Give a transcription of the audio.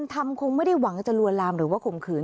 ทำคงไม่ได้หวังจะลวนลามหรือว่าข่มขืน